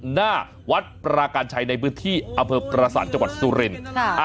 หน้าวัดปราการชัยในพื้นที่อำเภอประสันจังหวัดสุรินทร์